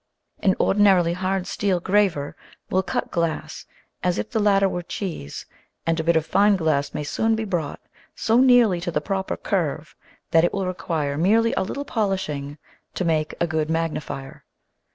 An ordinarily hard steel graver will cut glass as if the latter were cheese, and a bit of fine glass may soon be brought so nearly to the proper curve that it will require merely a little polishing to make a good magnifier.